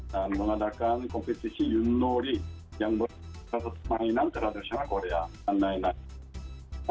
dan mengadakan kompetisi yunnori yang berkata kata mainan tradisional korea